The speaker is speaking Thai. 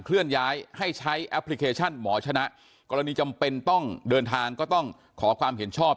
เลื่อนย้ายให้ใช้แอปพลิเคชันหมอชนะกรณีจำเป็นต้องเดินทางก็ต้องขอความเห็นชอบ